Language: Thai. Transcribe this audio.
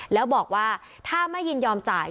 แล้วบอกว่าถ้าไม่ยินยอมจ่าย